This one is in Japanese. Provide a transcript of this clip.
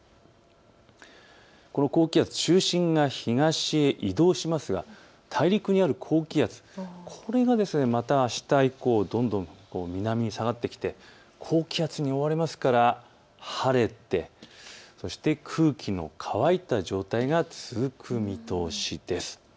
この高気圧、中心が東へ移動しますが大陸にある高気圧、これがまたあした以降、どんどん南に下がってきて高気圧に覆われますから晴れてそして空気の乾いた状態が続く見通しです。